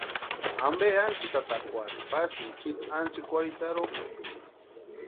¿Ampe ánchitatakwari pasïni chiiti ánchikwarhitarhu?